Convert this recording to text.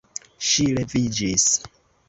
Ŝi leviĝis.